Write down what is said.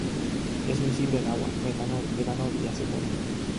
Es miscible en agua, metanol, etanol y acetona.